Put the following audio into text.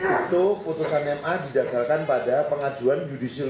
itu putusan ma didasarkan pada pengajuan judisi lulus